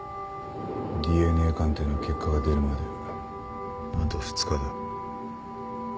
ＤＮＡ鑑定の結果が出るまであと２日だ。